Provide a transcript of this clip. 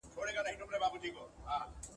په اوبو کي خپلو پښو ته په کتلو !.